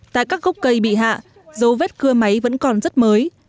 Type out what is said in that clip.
tại các gốc cây bị hạ dấu vết cưa máy vẫn còn rất mới